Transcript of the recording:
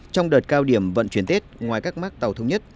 trong đợt cao điểm vận chuyển tết ngoài các mát tàu thông nhất